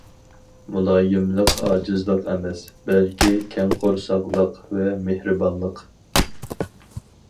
مۇلايىملىق ئاجىزلىق ئەمەس، بەلكى كەڭ قورساقلىق ۋە مېھرىبانلىق.